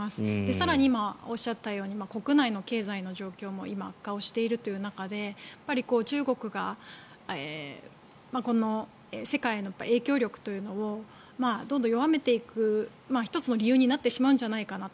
更に今、おっしゃったように国内の経済の状況も今、悪化をしているという中で中国が世界への影響力というのをどんどん弱めていく１つの理由になってしまうんじゃないかなと。